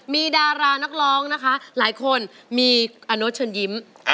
มีดารานักร้องนะคะหลายคนมีอโน๊ตเชิญยิ้ม